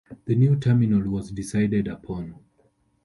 A new terminal was decided upon.